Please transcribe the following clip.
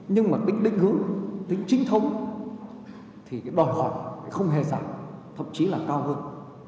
nhưng mà tính định hướng tính chính thống thì cái đòi hỏi không hề giảm thậm chí là cao hơn